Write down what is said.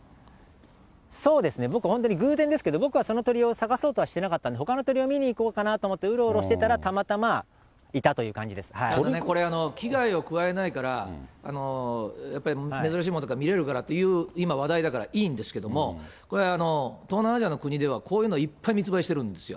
そうですね、僕、本当に偶然ですけど、僕はその鳥を探そうとはしてなかったんで、ほかの鳥を見に行こうかなと思って、うろうろしてたら、たまたまこれ、危害を加えないから、やっぱり珍しいものだから、見れるからって今、話題だからいいんですけども、これが東南アジアの国ではこういうのいっぱい密売してるんですよ。